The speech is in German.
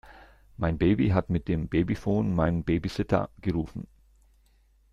Mein Baby hat mit dem Babyphon meinen Babysitter gerufen.